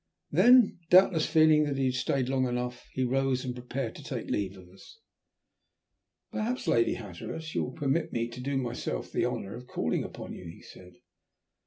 Then, doubtless feeling that he had stayed long enough, he rose and prepared to take leave of us. "Perhaps, Lady Hatteras, you will permit me to do myself the honour of calling upon you?" he said.